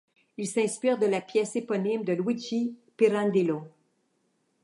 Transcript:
Il s'inspire de la pièce éponyme de Luigi Pirandello.